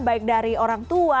baik dari orang tua